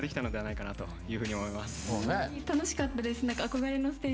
楽しかったです。